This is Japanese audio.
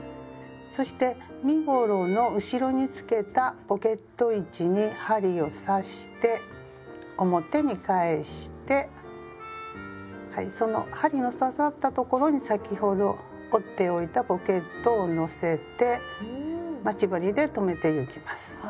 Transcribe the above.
そして身ごろの後ろにつけたポケット位置に針を刺して表に返してはいその針の刺さった所に先ほど折っておいたポケットを載せて待ち針で留めてゆきます。